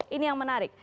ini yang menarik